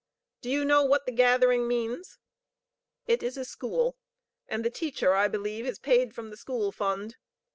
Do you know what the gathering means? It is a school, and the teacher, I believe, is paid from the school fund.